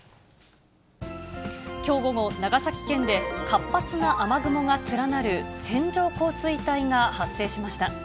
きょう午後、長崎県で活発な雨雲が連なる線状降水帯が発生しました。